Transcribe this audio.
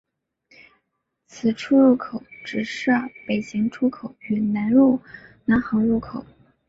此出入口只设北行出口与南行入口。